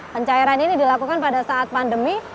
pencairan ini dilakukan pada saat pandemi